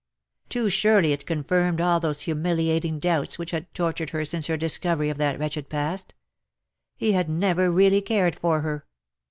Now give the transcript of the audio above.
Too surely it comfirmed all those humiliating doubts which had tortured her since her discovery of that wretched past. He had never really cared for her.